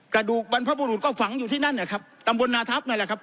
กระดูกบรรพบุรุษก็ฝังอยู่ที่นั่นนะครับตำบลนาทัพนั่นแหละครับ